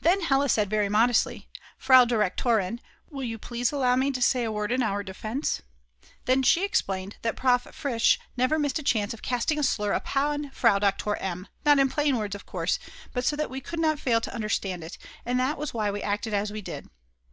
Then Hella said very modestly: "Frau Direktorin, will you please allow me to say a word in our defence?" Then she explained that Prof. Fritsch never missed a chance of casting a slur upon Frau Doktor M., not in plain words of course, but so that we could not fail to understand it, and that was why we acted as we did.